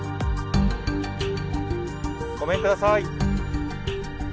ごめんください。